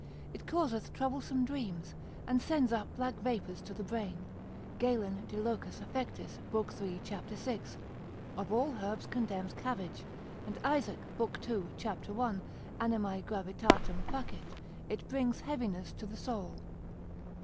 It causeth troublesome dreams, and sends up black vapours to the brain. Galen, loc. affect. l. 3. c. 6, of all herbs condemns cabbage; and Isaac, lib. 2. c. 1. Animae gravitatem facit, it brings heaviness to the soul.